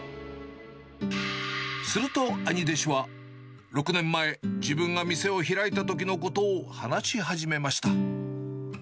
すると兄弟子は、６年前、自分が店を開いたときのことを話し始めました。